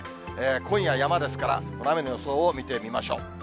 今夜ヤマですから、雨の予想を見てみましょう。